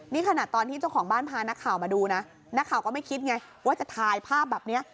นี่ขนาดตอนที่เจ้าของบ้านพานักข่าวมาดูนะนักข่าวก็ไม่คิดไงว่าจะถ่ายภาพแบบนี้